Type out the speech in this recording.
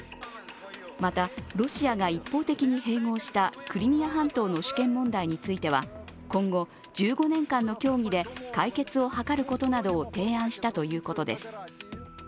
また、ロシアが一方的に併合したクリミア半島の主権問題については今後１５年間の協議で解決を図ることなどを提案したということです。